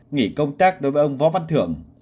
nghỉ công tác đối với ông võ văn thưởng